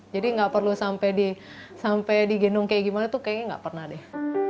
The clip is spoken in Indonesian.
jadi nggak perlu sampai digendong kayak gimana tuh kayaknya nggak pernah deh